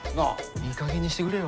いいかげんにしてくれよ。